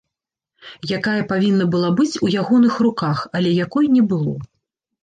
Якая павінна была быць у ягоных руках, але якой не было.